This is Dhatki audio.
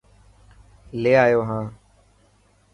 لي آيو هان.